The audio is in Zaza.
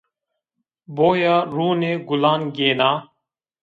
Boya rûnê gulan gêna